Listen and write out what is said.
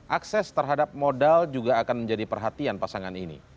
akses terhadap modal juga akan menjadi perhatian pasangan ini